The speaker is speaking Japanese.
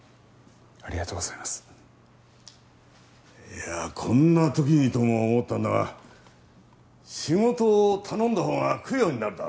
いやこんな時にとも思ったんだが仕事を頼んだほうが供養になるだろう。